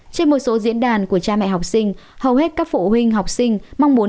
trên một số diễn đàn của cha mẹ học sinh hầu hết các phụ huynh học sinh mong muốn